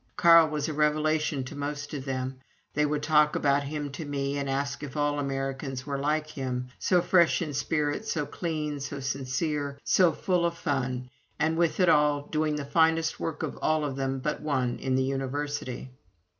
Carl was a revelation to most of them they would talk about him to me, and ask if all Americans were like him, so fresh in spirit, so clean, so sincere, so full of fun, and, with it all, doing the finest work of all of them but one in the University.